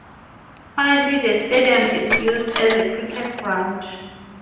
Currently the stadium is used as a cricket ground.